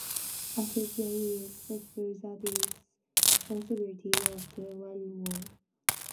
After the day is a festival that is the responsibility of the landowner.